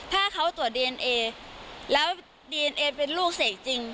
ถ้าเขาตรวจดีเอนเอแล้วดีเอนเอเป็นลูกเสกจริง